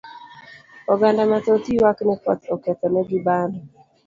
Oganda ma thoth ywak ni koth oketho ne gi bando